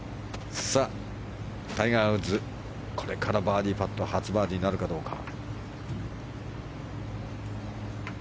タイガー・ウッズこれからバーディーパット初バーディーなるかどうか。